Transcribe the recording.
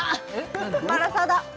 マラサダ何？